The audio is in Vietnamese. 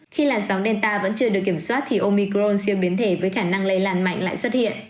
khi làn sóng delta vẫn chưa được kiểm soát thì omicron siêu biến thể với khả năng lây lan mạnh lại xuất hiện